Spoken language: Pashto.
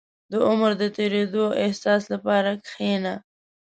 • د عمر د تېرېدو احساس لپاره کښېنه.